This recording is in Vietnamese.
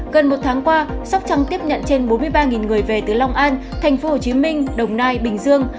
gần một tháng qua sóc trăng tiếp nhận trên bốn mươi ba người về từ long an tp hcm đồng nai bình dương